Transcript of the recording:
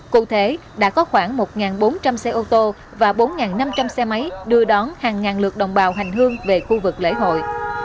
cụ thể đã có khoảng một bốn trăm linh xe ô tô và bốn năm trăm linh xe máy đưa đón hàng ngàn lượt đồng bào hành hương về khu vực lễ hội